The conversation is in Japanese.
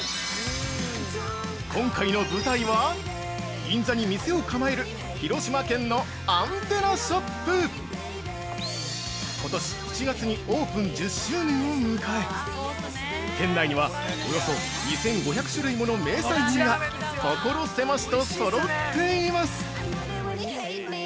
◆今回の舞台は銀座に店を構える広島県のアンテナショップことし７月にオープン１０周年を迎え店内にはおよそ２５００種類もの名産品が所狭しと揃っています。